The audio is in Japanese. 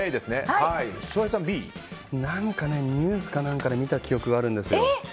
ニュースかなんかで見た記憶があるんですよ。